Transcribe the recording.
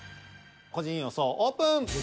個人予想オープン。